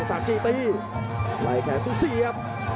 สามจีตีไล่แขนสู้เสียบ